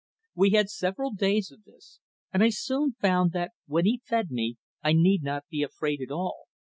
We had several days of this, and I soon found that when he fed me I need not be afraid at all.